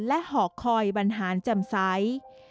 และหอคอยบรรหารศิลป์จำไซค์